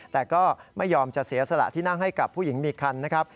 แต่ก็ไม่ยอมจะเสียสละที่นั่งให้กับผู้หญิงมีคันนะครับ